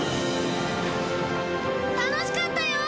楽しかったよ！